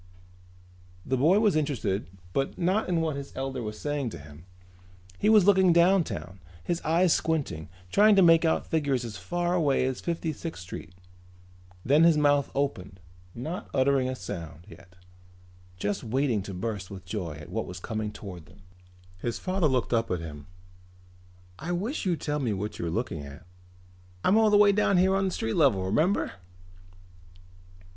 The boy was interested but not in what his elder was saying to him. He was looking downtown, his eyes squinting, trying to make out figures as far away as Fifty sixth Street. Then his mouth opened, not uttering a sound yet, just waiting to burst with joy at what was coming toward them. His father looked up at him. "I wish you'd tell me what you are looking at. I'm all the way down here on street level, remember?"